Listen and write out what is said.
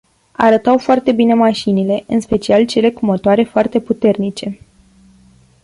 Arătau foarte bine mașinile în special cele cu motoare foarte puternice.